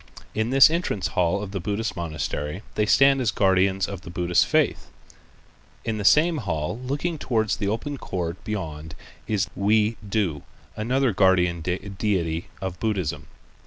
In this entrance hall of the Buddhist monastery they stand as guardians of the Buddhist faith. In the same hall looking toward the open court beyond is Wei To, another guardian deity of Buddhism.